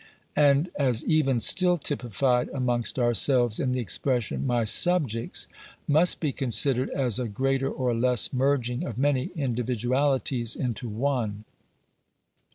phases/ and as even still typified amongst ourselves in the expression, "my subjects," must be considered as a greater or less merging of many individualities into one.